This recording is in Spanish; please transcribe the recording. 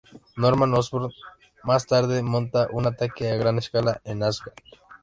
Norman Osborn más tarde monta un ataque a gran escala en Asgard.